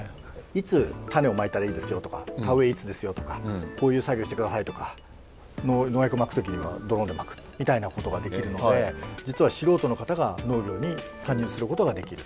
いつ種をまいたらいいですよとか田植えいつですよとかこういう作業をしてくださいとか農薬まく時にはドローンでまくみたいなことができるので実は素人の方が農業に参入することができると。